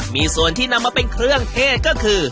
มีส่วนที่นำมาเป็นเครื่องเทศก็คือ